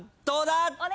どうだ？